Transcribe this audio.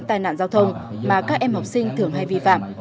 tai nạn giao thông mà các em học sinh thường hay vi phạm